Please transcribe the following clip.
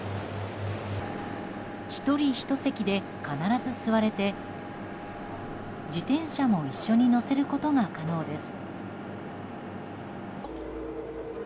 １人１席で必ず座れて自転車も一緒に乗せることが可能です。